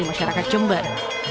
dari masyarakat jember